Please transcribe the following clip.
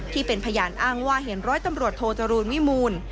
ที่เป็นพยานอ้างว่าเห็นร้อยตำรวจโทจรูลวิมูล